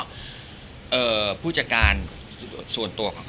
และผู้จัดการส่วนตัวเขาก็ฝากฝังมา